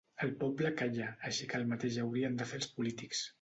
El poble calla, així que el mateix haurien de fer els polítics